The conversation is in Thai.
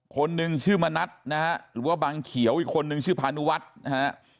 คนนึงชื่อมณัฐหรือว่าบางเขียวอีกคนนึงชื่อผานุวัฒน์